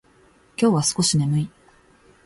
今日は少し眠い。